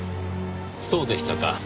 そうでしたか。